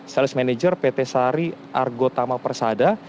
sales manager pt sari argotama persada